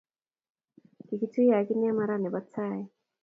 kikituye ak inne mara ne bo taii.